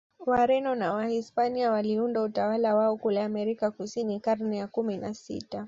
Wareno na Wahispania waliunda utawala wao kule Amerika Kusini karne ya kumi na sita